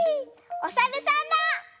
おさるさんだ！